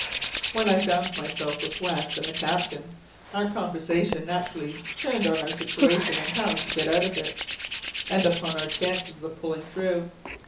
When I found myself with West and the captain, our conversation naturally turned on our situation and how to get out of it, and upon our chances of pulling through.